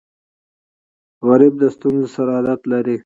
غریب د ستونزو سره عادت لري